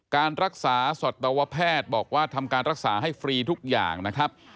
การรักษาสัตวแพทย์บอกว่าทำการรักษาให้ฟรีทุกอย่างนะครับ